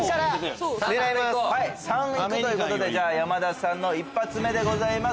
３いくということで山田さんの１発目でございます。